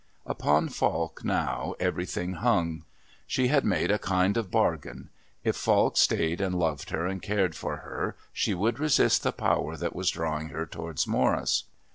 Upon Falk now everything hung. She had made a kind of bargain. If Falk stayed and loved her and cared for her she would resist the power that was drawing her towards Morris.